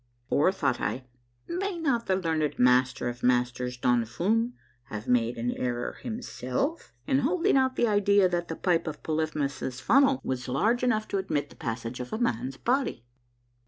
Or, thought I, may not the learned Master of Masters, Don Fum, have made an error himself in holding out the idea that the pipe of Polyphemus' Funnel was large enough to admit the passage of a man's body?